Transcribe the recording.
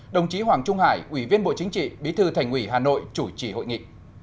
đồng chí hoàng trung hải ủy viên bộ chính trị bí thư thành ủy hà nội chủ trì hội nghị